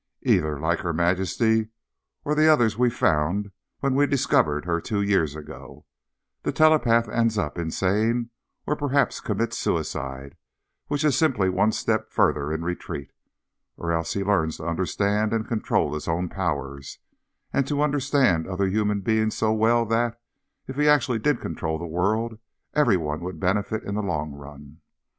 Either, like Her Majesty or the others we found when we discovered her two years ago, the telepath ends up insane—or perhaps commits suicide, which is simply one step further in retreat—or else he learns to understand and control his own powers, and to understand other human beings so well that, if he actually did control the world, everyone would benefit in the long run.